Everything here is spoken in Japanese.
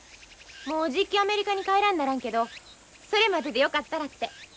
もうじっきアメリカに帰らんならんけどそれまででよかったらって。